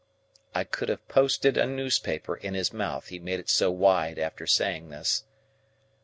I could have posted a newspaper in his mouth, he made it so wide after saying this.